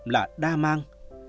là đa mang